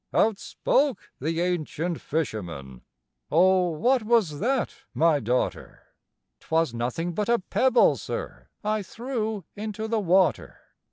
Out spoke the ancient fisherman, "Oh, what was that, my daughter?" "'T was nothing but a pebble, sir, I threw into the water."